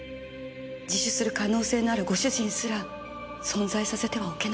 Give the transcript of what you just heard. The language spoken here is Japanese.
自首する可能性のあるご主人すら存在させてはおけなかった。